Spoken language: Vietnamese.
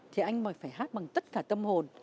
thì anh phải hát bằng tất cả tâm hồn